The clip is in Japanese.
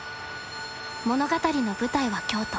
物語の舞台は京都。